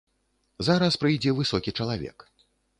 Зараз прыйдзе высокі чалавек.